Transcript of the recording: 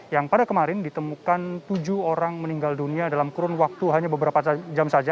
yang pada kemarin ditemukan tujuh orang meninggal dunia dalam kurun waktu hanya beberapa jam saja